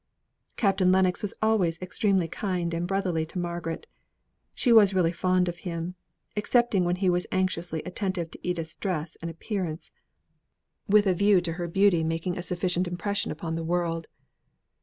Captain Lennox was always extremely kind and brotherly to Margaret. She was really very fond of him, excepting when he was anxiously attentive to Edith's dress and appearance, with a view to her beauty making a sufficient impression on the world.